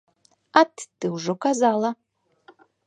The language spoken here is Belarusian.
Ат, ты ўжо казала!